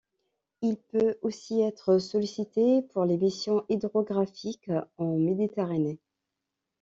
Il peut aussi être sollicité pour les missions hydrographiques en Méditerranée.